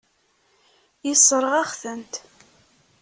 Yessṛeɣ-aɣ-tent.